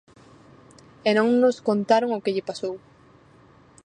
E non nos contaron o que lle pasou.